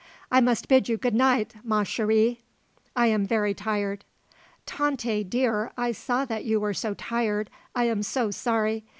"I must bid you good night, ma chérie. I am very tired." "Tante, dear, I saw that you were so tired, I am so sorry.